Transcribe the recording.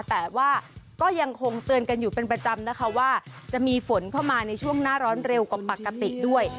แต่ว่าก็ยังคงเตือนกันอยู่เป็นประจำนะคะว่าจะมีฝนเข้ามาในช่วงหน้าร้อนเร็วกว่าปกติด้วย